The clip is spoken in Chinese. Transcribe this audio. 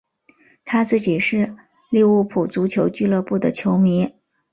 他自己是利物浦足球俱乐部的球迷。